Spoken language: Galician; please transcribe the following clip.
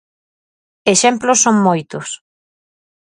Exemplos son moitos.